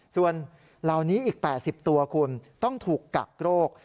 ส่วนเหล่านี้อีก๘๐ตัวคุณต้องถูกกักโรค